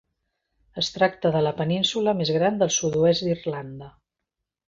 Es tracta de la península més gran del sud-oest d'Irlanda.